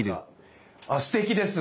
あすてきです！